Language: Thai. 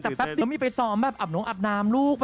แต่แป๊บเดียวมีไปซ้อมแบบอาบน้องอาบน้ำลูก